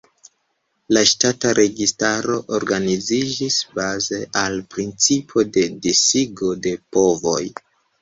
La ŝtata registaro organiziĝis baze al principo de disigo de povoj.